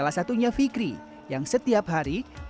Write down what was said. salah satunya fikri yang setiap hari menunjukkan kepadanya